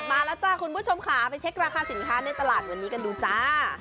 ตลอดตลาดตลอดมาแล้วคุณผู้ชมค่ะไปเช็คสินค้าในตลาดหนึ่งการดูจ้า